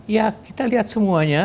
ya kita lihat semuanya